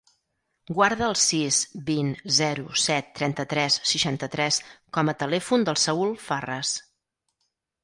Guarda el sis, vint, zero, set, trenta-tres, seixanta-tres com a telèfon del Saül Farras.